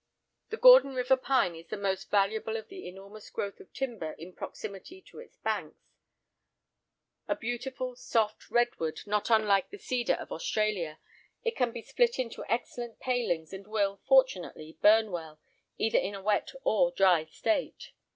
The Gordon River pine is the most valuable of the enormous growth of timber in proximity to its banks; a beautiful, soft, red wood, not unlike the cedar of Australia. It can be split into excellent palings and will, fortunately, burn well, either in a wet or dry state.